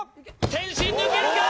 天心抜けるか？